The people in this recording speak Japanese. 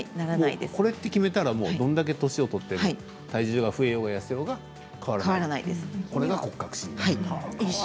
これって決めたらどれだけ年を取っても体重が増えようが痩せようが変わらないですね。